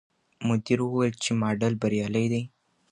مدیر وویل چې ماډل بریالی دی.